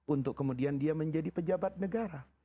untuk kemudian dia menjadi pejabat negara